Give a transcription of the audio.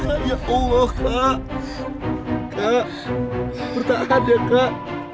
kak ya allah kak bertahan ya kak